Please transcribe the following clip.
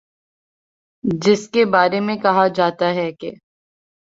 جس کے بارے میں کہا جاتا ہے کہ